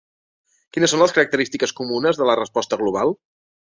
Quines són les característiques comunes de la resposta global?